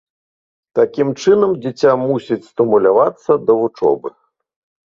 Такім чынам дзіця мусіць стымулявацца да вучобы.